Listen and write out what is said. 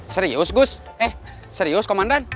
serius gus eh serius komandan